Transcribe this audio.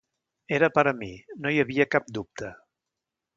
Era per a mi, no hi havia cap dubte.